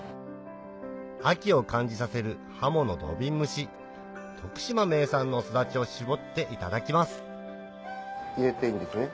秋を感じさせる徳島名産のすだちを搾っていただきます入れていいんですね？